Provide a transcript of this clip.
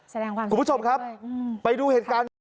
แสดงความสุขด้วยคุณผู้ชมครับไปดูเหตุการณ์